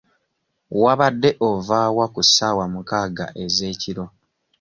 Wabadde ovaawa ku ssaawa mukaaga ez'ekiro?